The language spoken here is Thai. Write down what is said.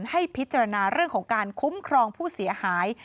ให้พิจารณาเรื่องของการคุ้มครองผู้เสียหาย